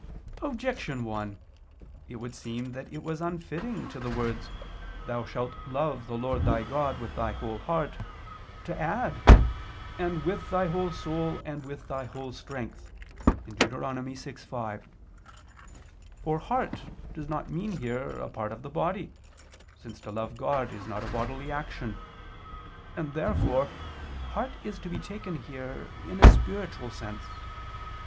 Objection 1: It would seem that it was unfitting to the words, "Thou shalt love the Lord thy God, with thy whole heart," to add, "and with thy whole soul, and with thy whole strength" (Deut. 6:5). For heart does not mean here a part of the body, since to love God is not a bodily action: and therefore heart is to be taken here in a spiritual sense.